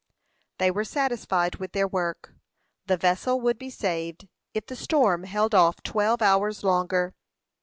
They were satisfied with their work. The vessel would be saved if the storm held off twelve hours longer.